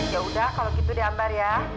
yaudah kalau gitu deambar ya